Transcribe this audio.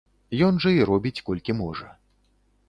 Ён жа і робіць колькі можа.